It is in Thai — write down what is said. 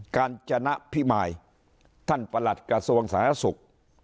การจนพิมายท่านประหลัดกระทรวงสาธารณสุข